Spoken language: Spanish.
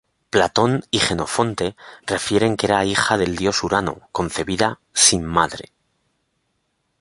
Platón y Jenofonte refieren que era hija del dios Urano, concebida sin madre.